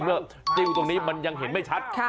ติ้วตรงนี้มันยังเห็นไม่ชัด